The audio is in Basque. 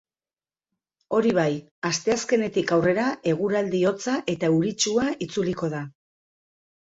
Hori bai, asteazkenetik aurrera eguraldi hotza eta euritsua itzuliko da.